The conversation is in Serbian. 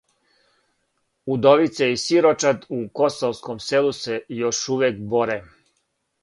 Удовице и сирочад у косовском селу се још увијек боре